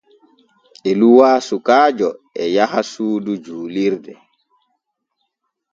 Eluwa sukaajo e yaha suudu juulirde.